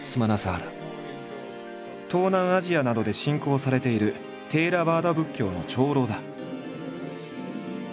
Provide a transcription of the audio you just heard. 東南アジアなどで信仰されているテーラワーダ仏教の長老だ。